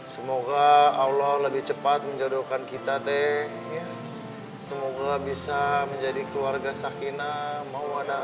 semoga allah lebih cepat menjodohkan kita teh semoga bisa menjadi keluarga sakinah mawadah